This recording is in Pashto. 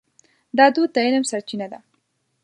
دا دود د علم سرچینه ده.